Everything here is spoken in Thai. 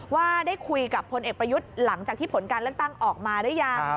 ว่าได้คุยกับพลเอกประยุทธ์หลังจากที่ผลการเลือกตั้งออกมาหรือยัง